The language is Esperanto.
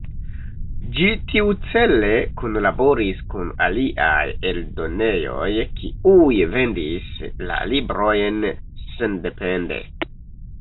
Ĝi tiucele kunlaboris kun aliaj eldonejoj kiuj vendis la librojn sendepende.